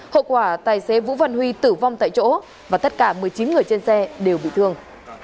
hậu quả tài xế vũ văn huy tử vong tại chỗ và tất cả một mươi chín người trên xe đều bị thương